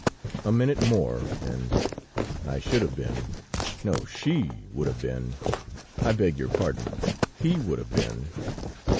A minute more and ... I should have been ... no, she would have been ... I beg your pardon, he would have been!...